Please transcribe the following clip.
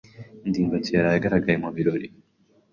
ndimbati yaraye agaragaye mu birori.